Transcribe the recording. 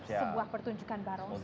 sebuah pertunjukan barongsai